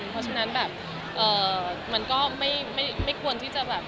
เพราะฉะนั้นแบบมันก็ไม่ควรที่จะแบบ